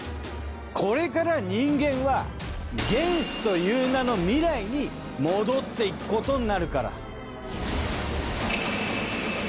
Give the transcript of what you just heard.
これから人間は原始という名の未来に戻っていくことになるから。